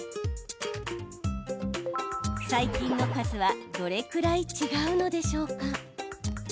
細菌の数はどれくらい違うのでしょうか。